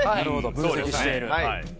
分析している。